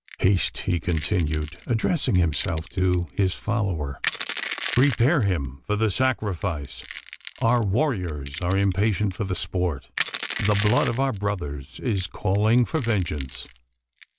"Haste!" he continued, addressing himself to his follower; "prepare him for the sacrifice! Our warriors are impatient for the sport. The blood of our brothers is calling for vengeance.